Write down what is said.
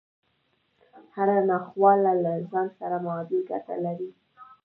هره ناخواله له ځان سره معادل ګټه لري